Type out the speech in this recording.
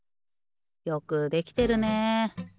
よくできてるね。